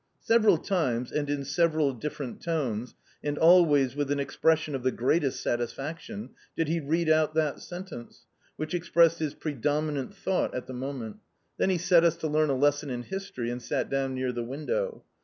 Several times, and in several different tones, and always with an expression of the greatest satisfaction, did he read out that sentence, which expressed his predominant thought at the moment. Then he set us to learn a lesson in history, and sat down near the window.